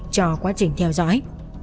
cho quá trình theo dõi